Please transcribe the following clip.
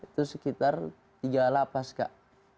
itu sekitar tiga lapas kak